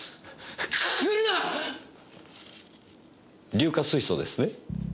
硫化水素ですね？